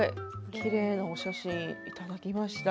きれいなお写真いただきました。